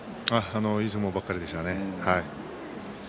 いい相撲ばかりでしたね。